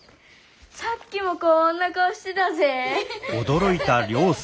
さっきもこんな顔してたぜ。